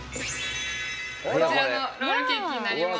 こちらのロールケーキになります。